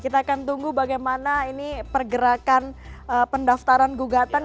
kita akan tunggu bagaimana ini pergerakan pendaftaran gugat ini